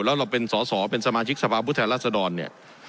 แล้วเราเป็นสอสอเป็นสมาชิกสภาพผู้แทนรัศดรเนี่ย